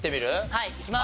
はいいきます！